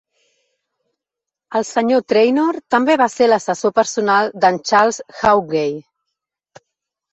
El Sr. Traynor també va ser l"assessor personal de"n Charles Haughey.